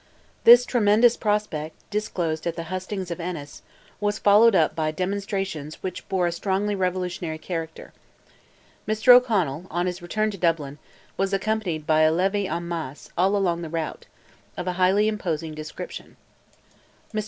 This "tremendous prospect," disclosed at the hustings of Ennis, was followed up by demonstrations which bore a strongly revolutionary character. Mr. O'Connell, on his return to Dublin, was accompanied by a levee en masse, all along the route, of a highly imposing description. Mr.